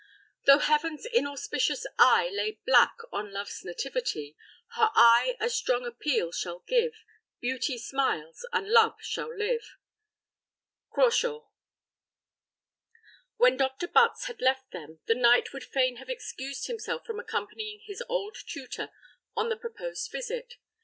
Though heaven's inauspicious eye Lay black on love's nativity, Her eye a strong appeal shall give; Beauty smiles, and love shall live. Crashaw. When Dr. Butts had left them, the knight would fain have excused himself from accompanying his old tutor on the proposed visit.